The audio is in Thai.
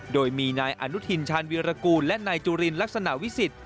โดยมีนายอนุทินชาญวิรากูลและนายจุลินลักษณะวิสิทธิ